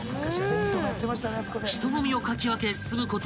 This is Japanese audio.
［人混みをかき分け進むこと］